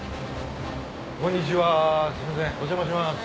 こんにちはすいませんお邪魔します。